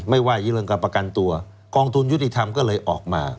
ไม่ว่าเรื่องการประกันตัวกองทุนยุติธรรมก็เลยออกมา